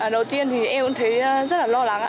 đầu tiên em cũng thấy rất lo lắng